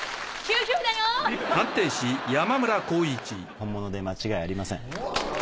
本物で間違いありません。